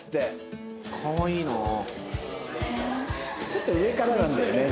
ちょっと上からなんだよね